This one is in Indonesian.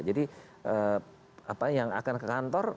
jadi yang akan ke kantor